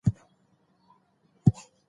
په افغانستان کې د چنګلونه تاریخ اوږد دی.